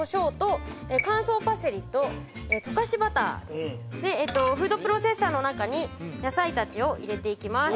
調味料がフードプロセッサーの中に野菜たちを入れていきます